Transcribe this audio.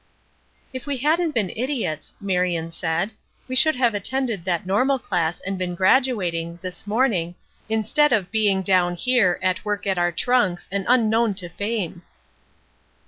"If we hadn't been idiots," Marion said, "we should have attended that normal class and been graduating, this morning, instead of being down here, at work at our trunks and unknown to fame."